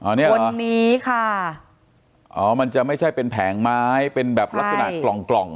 อันนี้ค่ะอ๋อมันจะไม่ใช่เป็นแผงไม้เป็นแบบลักษณะกล่องกล่อง